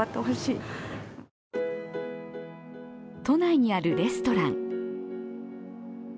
都内にあるレストラン。